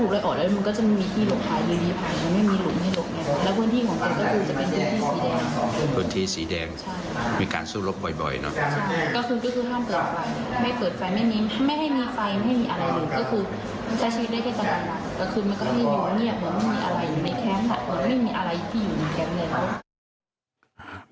แล้วคือมันก็ให้อยู่เงียบว่าไม่มีอะไรอยู่ในแค้นว่าไม่มีอะไรที่อยู่ในแก่เมือง